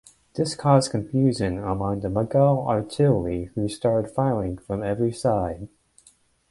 This caused confusion among the Mughal artillery who started firing from every side.